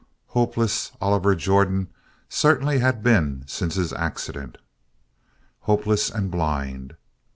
Hopeless Oliver Jordan certainly had been since his accident, hopeless and blind.